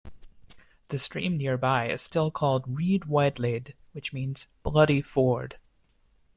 The stream nearby is still called Rhyd Waedlyd, which means 'Bloody Ford'.